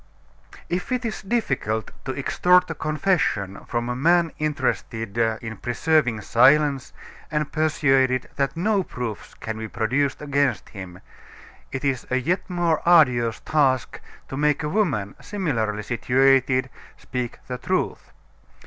X If it is difficult to extort a confession from a man interested in preserving silence and persuaded that no proofs can be produced against him, it is a yet more arduous task to make a woman, similarly situated, speak the truth.